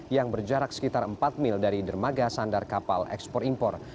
yang berjarak sekitar empat mil dari dermaga sandar kapal ekspor impor